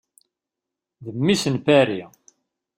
D mmi-s n Paris.